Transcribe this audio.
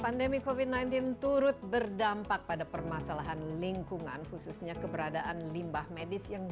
pandemi kofi sembilan belas turut berdampak pada permasalahan lingkungan khususnya keberadaan limbah medis yang